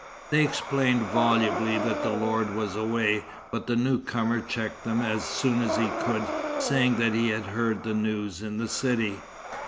They explained volubly that the lord was away, but the newcomer checked them as soon as he could, saying that he had heard the news in the city.